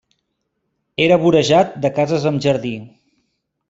Era vorejat de cases amb jardí.